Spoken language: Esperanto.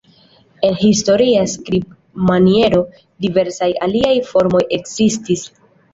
En historia skribmaniero, diversaj aliaj formoj ekzistis.